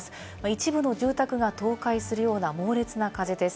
一部の住宅が倒壊するような猛烈な風です。